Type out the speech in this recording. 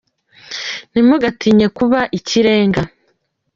Ntimugatinye kuba ikirenga